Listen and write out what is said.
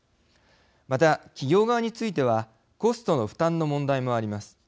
また企業側についてはコストの負担の問題もあります。